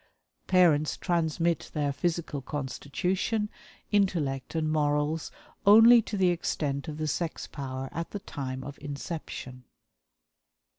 Parents transmit their physical constitution, intellect and morals only to the extent of the sex power at the time of inception."